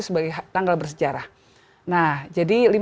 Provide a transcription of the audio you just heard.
sebagai tanggal bersejarah nah jadi lima belas